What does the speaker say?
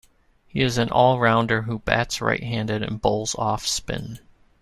He is an all-rounder, who bats right-handed and bowls off spin.